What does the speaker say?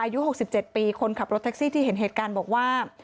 อายุหกสิบเจ็ดปีคนขับรถคาร์ซีที่แห่งละเกินบอกว่า